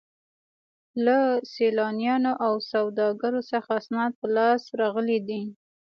له سیلانیانو او سوداګرو څخه اسناد په لاس راغلي دي.